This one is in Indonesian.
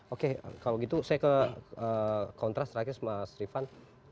oke kalau gitu saya ke kontras terakhir mas rifan